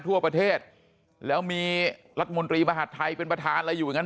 ทั่วประเทศแล้วมีรัฐมนตรีมหาดไทยเป็นประธานอะไรอยู่อย่างนั้น